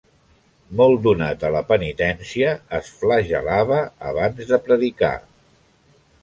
Molt donat a la penitència, es flagel·lava abans de predicar.